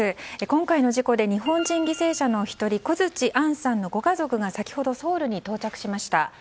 今回の事故で日本人犠牲者の１人小槌杏さんのご家族が先ほど、ソウルに到着しました。